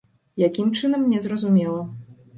Якім чынам, не зразумела.